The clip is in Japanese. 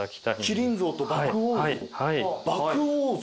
麒麟像と獏王像？